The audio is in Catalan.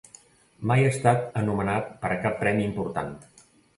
Mai ha estat anomenat per a cap premi important.